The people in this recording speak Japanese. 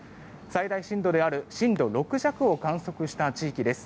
最大震度である震度６弱を観測した地域です。